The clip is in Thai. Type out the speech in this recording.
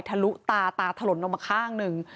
ลุตาตาถล่นลงมาข้างหนึ่ง